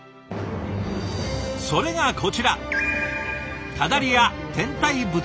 それがこちら。